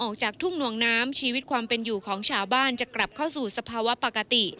ออกจากทุ่งหน่วงน้ำชีวิตความเป็นอยู่ของชาวบ้านจะกลับเข้าสู่สภาวะปกติ